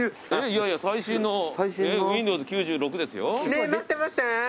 ねえ待って待って。